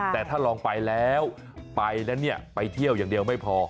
แต่ถ้าลองไปแล้วไปแล้วเนี่ยไปเที่ยวอย่างเดียวไม่พอ